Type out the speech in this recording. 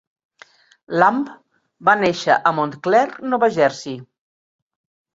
Lamb va nàixer a Montclair, Nova Jersey.